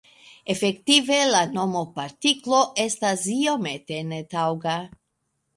Efektive, la nomo "partiklo" estas iomete netaŭga.